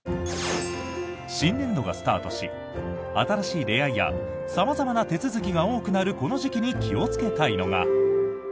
新年度がスタートし新しい出会いや様々な手続きが多くなるこの時期に気をつけたいのが。